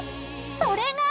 ［それが］